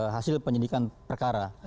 hasil penyelidikan perkara